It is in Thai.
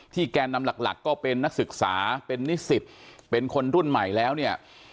แกนนำหลักก็เป็นนักศึกษาเป็นนิสิตเป็นคนรุ่นใหม่แล้วเนี่ย